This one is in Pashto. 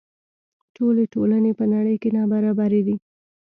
ټولې ټولنې په نړۍ کې نابرابرې دي.